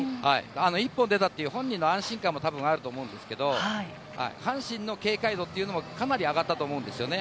一本出たっていう、本人の安心感もたぶんあると思うんですけど、阪神の警戒度っていうのもかなり上がったと思うんですよね。